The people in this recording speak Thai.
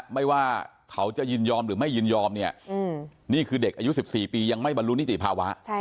ไม่ว่าเขาจะยินยอมหรือไม่ยินยอมเนี่ยนี่คือเด็กอายุ๑๔ปียังไม่บรรลุนิติภาวะ